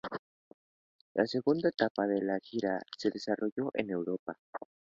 La segunda etapa de la gira se desarrolló en Europa.